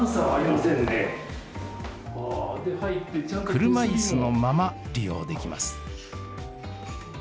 車いすのまま利用できます。